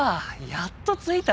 やっと着いた。